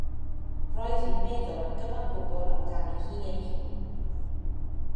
Roedd hi'n meddwl yn gyfan gwbl amdani hi ei hun.